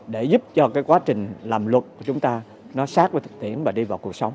để giúp cho cái quá trình làm luật của chúng ta nó sát với thực tiễn và đi vào cuộc sống